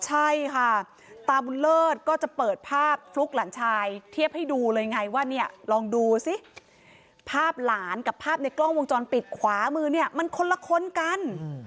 ใช่ค่ะตาบุญเลิศก็จะเปิดภาพฟลุ๊กหลานชายเทียบให้ดูเลยไงว่าเนี่ยลองดูสิภาพหลานกับภาพในกล้องวงจรปิดขวามือเนี่ยมันคนละคนกัน